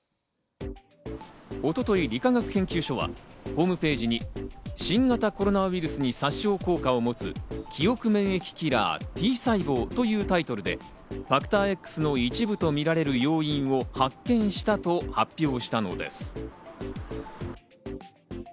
一昨日、理化学研究所はホームページに「新型コロナウイルスに殺傷効果を持つ記憶免疫キラーＴ細胞」というタイトルでファクターＸの一部とみられる要因を発見したと発表したのです。